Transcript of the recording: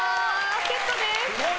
セットです。